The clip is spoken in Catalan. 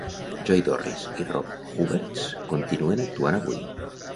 Joy Dorris i Rob Hubertz continuen actuant avui.